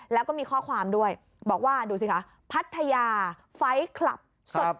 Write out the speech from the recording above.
แล้วก็มีข้อความด้วยบอกว่าดูสิคะพัทยาไฟล์คลับสด